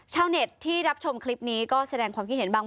ชาวเน็ตที่รับชมคลิปนี้ก็แสดงความคิดเห็นบ้าง